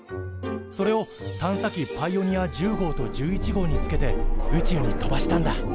それを探査機パイオニア１０号と１１号につけて宇宙に飛ばしたんだ。